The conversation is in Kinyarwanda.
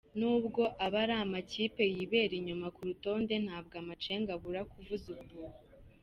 Nubwo aba ari amakipe yibera inyuma ku rutonde ntabwo amacenga abura kuvuza ubuhuha.